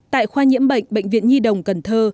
tại khoa nhiễm bệnh bệnh viện nhi đồng cần thơ